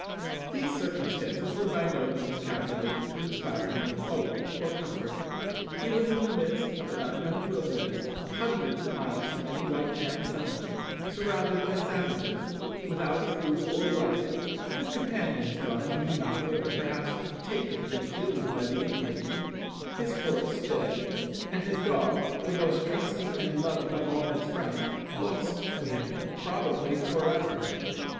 These circumstances were by no means calculated to inspire him with hope or comfort. He was in the midst of an unknown wilderness, hundreds of miles from any white man's settlement; surrounded by savages; without food or blanket; his companions gone, he knew not whither perhaps taken and killed by the Indians; his horse dead; and his dog, the most trusty and loving of all his friends, lost to him, probably, for ever!